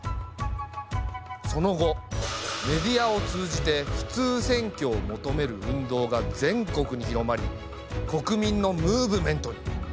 その後メディアを通じて「普通選挙」を求める運動が全国に広まり国民のムーブメントに。